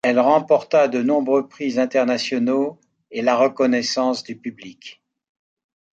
Elle remporta de nombreux prix internationaux et la reconnaissance du public.